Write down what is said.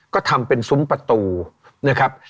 ก็ทำเป็นซุ้มประตูนะครับ